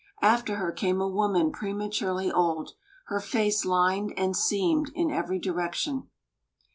After her came a woman prematurely old, her face lined and seamed in every direction.